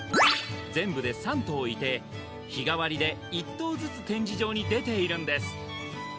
全部で３頭いて日替わりで１頭ずつ展示場に出ているんです